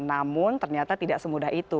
namun ternyata tidak semudah itu